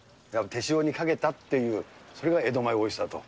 手塩にかけたっていう、それが江戸前オイスターと。